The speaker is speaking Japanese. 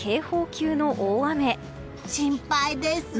心配です。